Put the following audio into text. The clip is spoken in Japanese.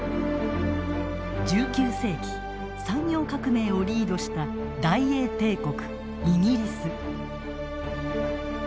１９世紀産業革命をリードした大英帝国イギリス。